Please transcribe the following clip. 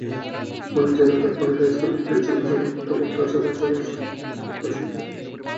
মানুষ দ্বীনদার পরহেজগার লোকদের জীবনযাপন, কথাবার্তা, আচার-আচরণ, চালচলন গভীরভাবে পর্যবেক্ষণ করতেন।